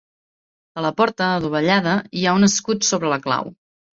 A la porta, adovellada, hi ha un escut sobre la clau.